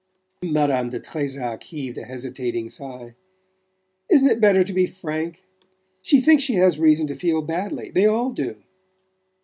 Madame de Trezac heaved a hesitating sigh. "Isn't it better to be frank? She thinks she has reason to feel badly they all do."